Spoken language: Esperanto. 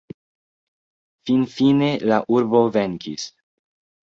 Finfine la urbo venkis.